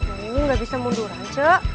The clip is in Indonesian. kamu ini nggak bisa munduran cek